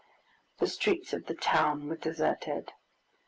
The streets of the town were deserted.